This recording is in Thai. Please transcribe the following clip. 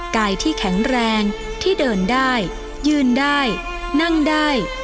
กายที่แข็งแรงที่เดินได้ยืนได้นั่งได้